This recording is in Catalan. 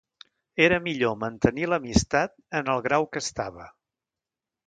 Era millor mantenir l'amistat en el grau que estava.